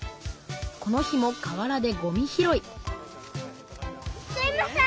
この日もかわらでごみ拾いすいません。